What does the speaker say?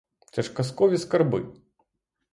Це ж казкові скарби!